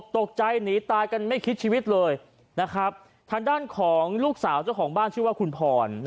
ตกใจหนีตายกันไม่คิดชีวิตเลยนะครับทางด้านของลูกสาวเจ้าของบ้านชื่อว่าคุณพร